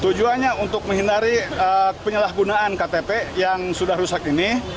tujuannya untuk menghindari penyalahgunaan ktp yang sudah rusak ini